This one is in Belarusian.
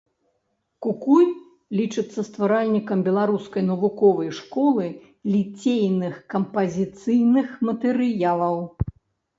Кукуй лічыцца стваральнікам беларускай навуковай школы ліцейных кампазіцыйных матэрыялаў.